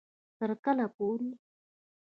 تر کله پورې